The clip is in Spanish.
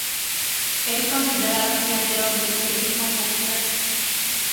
Es considerado pionero del periodismo popular.